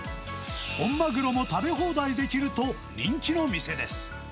本マグロも食べ放題できると、人気の店です。